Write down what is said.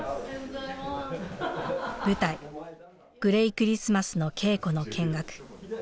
舞台「グレイクリスマス」の稽古の見学。